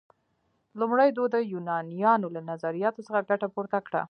لومړی دوی د یونانیانو له نظریاتو څخه ګټه پورته کړه.